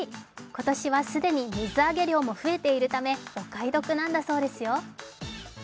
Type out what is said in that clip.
今年は既に水揚げ量も増えているためお買い得なんだそうですよ。